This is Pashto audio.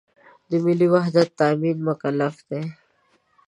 د ملي وحدت تأمین مکلف دی.